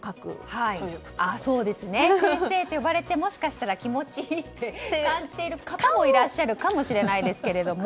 先生って呼ばれてもしかしたら気持ちいいって感じている方もいらっしゃるかもしれないですが。